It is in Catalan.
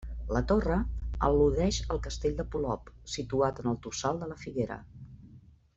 La torre al·ludeix al castell de Polop, situat en el Tossal de la Figuera.